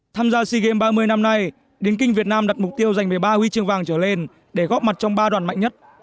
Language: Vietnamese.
tham gia sea games ba mươi năm nay điền kinh việt nam đặt mục tiêu giành một mươi ba huy chương vàng trở lên để góp mặt trong ba đoàn mạnh nhất